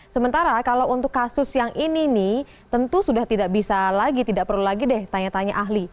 sementara kalau untuk kasus yang ini nih tentu sudah tidak bisa lagi tidak perlu lagi deh tanya tanya ahli